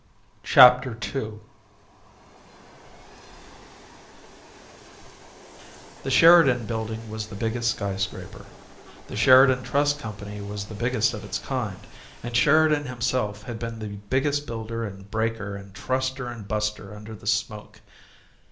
CHAPTER II The Sheridan Building was the biggest skyscraper; the Sheridan Trust Company was the biggest of its kind, and Sheridan himself had been the biggest builder and breaker and truster and buster under the smoke.